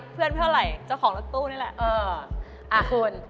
เพื่อนเท่าไหร่เจ้าของรถตู้นี่แหละ